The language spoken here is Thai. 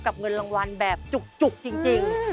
เงินรางวัลแบบจุกจริง